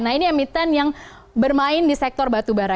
nah ini emiten yang bermain di sektor batubara